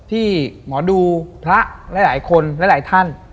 ที่หมอดูพระหลายคนหลายท่าน